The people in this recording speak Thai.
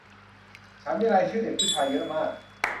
ฉันมีรายชื่อเด็กผู้ชายเยอะมาก